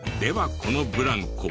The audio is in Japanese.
このブランコ